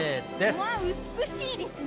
うわ、美しいですね。